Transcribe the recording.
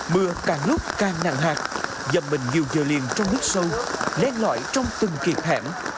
mưa càng lúc càng nặng hạt dầm mình nhiều giờ liền trong nước sâu len lõi trong từng kịp hẻm